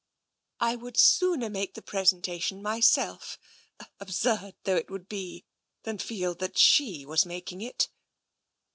" I would sooner make the presentation myself, ab surd though it would be, than feel that she was mak ing it."